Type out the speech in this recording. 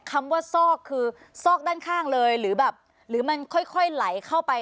คำว่าซอกคือซอกด้านข้างเลยหรือแบบหรือมันค่อยไหลเข้าไป